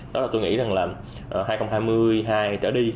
đó là tôi nghĩ rằng là hai nghìn hai mươi hai trở đi